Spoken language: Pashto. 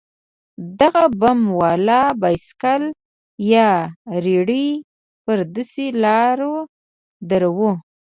دغه بم والا بايسېکل يا رېړۍ پر داسې لارو دروو.